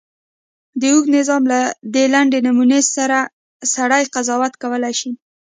د اوږده نظم له دې لنډې نمونې سړی قضاوت کولای شي.